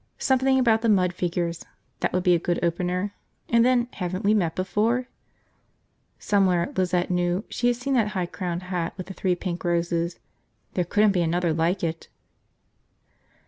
Something about the mud figures, that would be a good opener, and then haven't we met before. Somewhere, Lizette knew, she had seen that high crowned hat with the three pink roses. There couldn't be another like it.